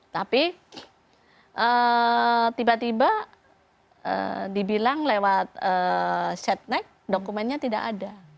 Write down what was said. tapi tiba tiba dibilang lewat setnek dokumennya tidak ada